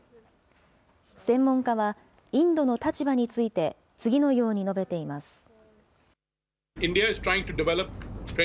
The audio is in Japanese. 専門家は、インドの立場について次のように述べています。